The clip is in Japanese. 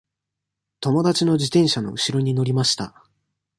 友達の自転車のうしろに乗りました。